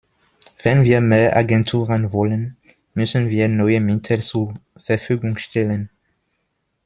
Wenn wir mehr Agenturen wollen, müssen wir neue Mittel zur Verfügung stellen.